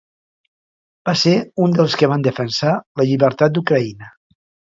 Va ser un dels que van defensar la llibertat d’Ucraïna.